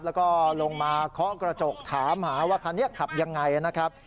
แล้วก็ลงมาเคาะกระจกถามหาว่าคันนี้ขับยังไงนะครับ